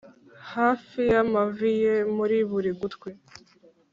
hafi y'amavi ye, muri buri gutwi